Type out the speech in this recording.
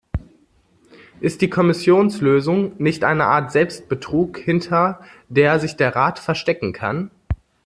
Ist die Kommissionslösung nicht eine Art Selbstbetrug, hinter der sich der Rat verstecken kann?